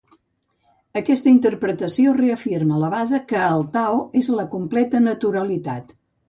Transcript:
Aquesta interpretació reafirma la base que el tao és la completa naturalitat.